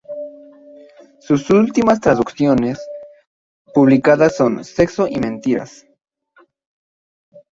Sus últimas traducciones publicadas son: "Sexo y mentiras.